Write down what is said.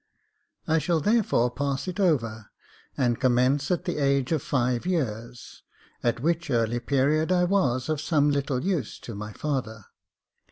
I shall therefore pass it over, and commence at the age of five years, at which early period I was of some little use to my father.